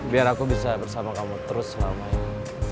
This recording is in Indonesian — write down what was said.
biar aku bisa bersama kamu terus selama ini